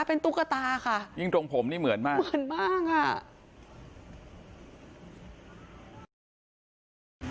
เป็นตุ๊กตาค่ะยิ่งตรงผมนี่เหมือนมากเหมือนมากอ่ะ